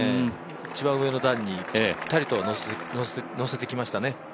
一番上の段に、ぴったりと乗せてきましたね。